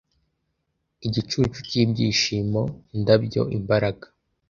Igicucu cyibyishimo, indabyo, imbaraga,